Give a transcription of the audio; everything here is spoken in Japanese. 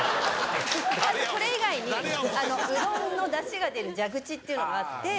これ以外にうどんのダシが出る蛇口っていうのがあって。